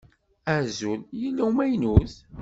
Azul! Yella n umaynut?